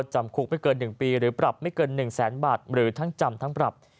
หรือปรับไม่เกิน๑แสนบาทหรือทั้งจำทั้งปรับ